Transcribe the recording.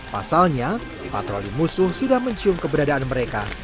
pasalnya patroli musuh sudah mencium keberadaan mereka